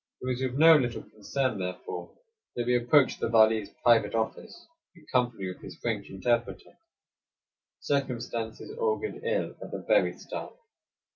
It was with no little concern, therefore, that we approached the Vali's private office in company with his French interpreter. Circumstances augured ill at the very start.